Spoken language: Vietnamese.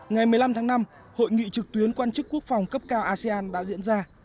ngày một mươi năm tháng năm hội nghị trực tuyến quan chức quốc phòng cấp cao asean đã diễn ra